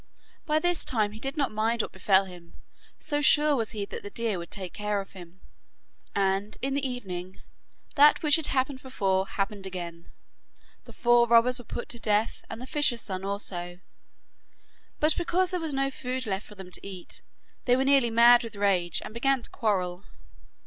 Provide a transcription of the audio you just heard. By this time he did not mind what befell him, so sure was he that the deer would take care of him, and in the evening that which had happened before happened again the four robbers were put to death and the fisher's son also, but because there was no food left for them to eat, they were nearly mad with rage, and began to quarrel.